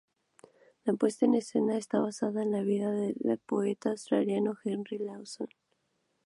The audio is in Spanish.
La puesta en escena está basada en la vida del poeta australiano Henry Lawson.